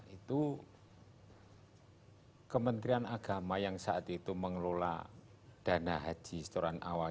itu kementerian agama yang saat itu mengelola dana haji setoran awal